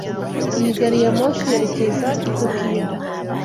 Iyi gari ya moshi yerekeza i Tokiyo.